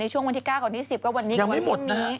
ในช่วงวันที่๙กว่าวันที่๑๐ก็วันนี้กับวันพรุ่งนี้